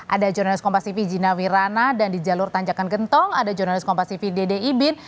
ada jurnalis kompas tv jina wirana dan di jalur tanjakan gentong ada jurnalis kompas tv dede ibin